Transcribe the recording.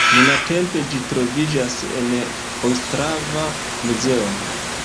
Nuntempe ĝi troviĝas en Ostrava muzeo.